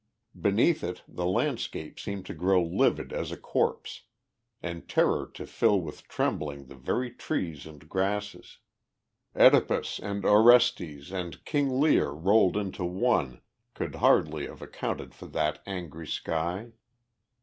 Beneath it the landscape seemed to grow livid as a corpse, and terror to fill with trembling the very trees and grasses. Oedipus and Orestes and King Lear rolled into one could hardly have accounted for that angry sky.